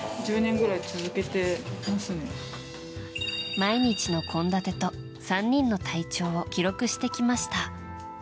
毎日の献立と３人の体調を記録してきました。